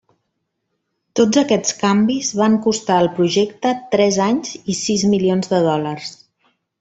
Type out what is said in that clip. Tots aquests canvis van costar al projecte tres anys i sis milions de dòlars.